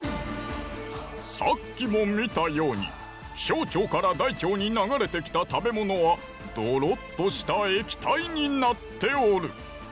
さっきも見たように小腸から大腸にながれてきた食べ物はどろっとしたえきたいになっておる。